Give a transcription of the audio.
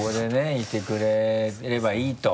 いてくれればいいと。